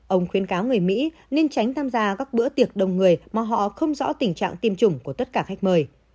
ông khuyến cáo người mỹ nên tránh tham gia các bữa tiệc đông người mà họ không rõ tình trạng tiêm chủng của tất cả khách mời